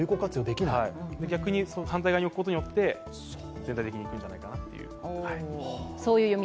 逆に反対側に置くことによって全体的に行くんじゃないかと。